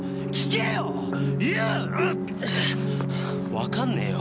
わかんねえよ。